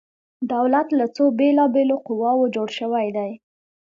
دولت له څو بیلا بیلو قواو جوړ شوی دی؟